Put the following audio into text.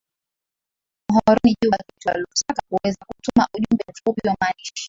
mhoroni juba kitu na lusaka kuweza kutuma ujumbe mfupi wa maandishi